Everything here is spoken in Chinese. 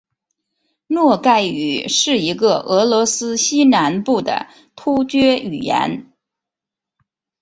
诺盖语是一个俄罗斯西南部的突厥语言。